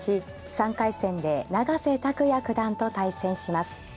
３回戦で永瀬拓矢九段と対戦します。